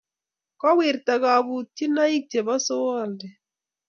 kowirta kabutyinoik chebo solwondi